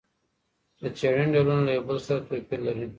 د څېړني ډولونه له یو بل سره توپیر لري.